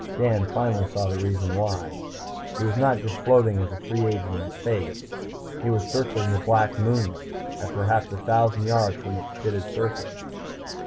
Dan finally saw the reason why. He was not just floating as a free agent in space. He was circling the black moonlet, at perhaps a thousand yards from its pitted surface.